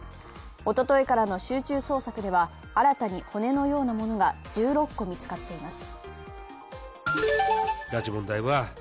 おとといからの集中捜索では、新たに骨のようなものが１６個見つかっています。